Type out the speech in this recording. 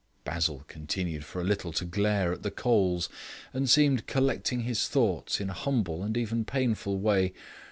Basil continued for a little to glare at the coals, and seemed collecting his thoughts in a humble and even painful way.